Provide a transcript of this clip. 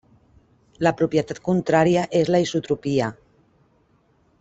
La propietat contrària és la isotropia.